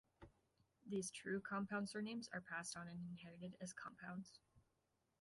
These true compound surnames are passed on and inherited as compounds.